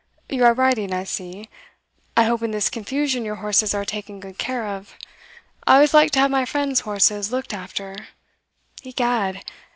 You are riding, I see I hope in this confusion your horses are taken good care of I always like to have my friend's horses looked after Egad!